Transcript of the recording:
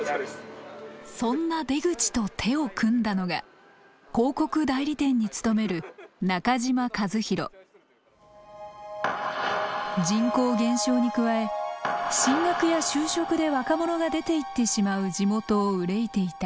そんな出口と手を組んだのが人口減少に加え進学や就職で若者が出ていってしまう地元を憂いていた。